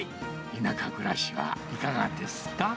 田舎暮らしはいかがですか？